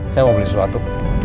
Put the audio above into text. saya mau beli sesuatu